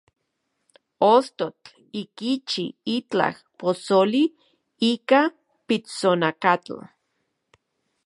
Ostotl okichi itlaj posoli ika pitsonakatl.